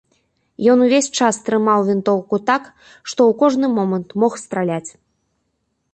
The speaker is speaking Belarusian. Ён увесь час трымаў вінтоўку так, што ў кожны момант мог страляць.